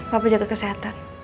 papa jaga kesehatan